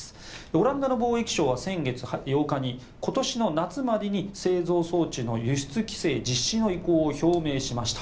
オランダの貿易相は先月８日に今年の夏までに製造装置の輸出規制実施の意向を表明しました。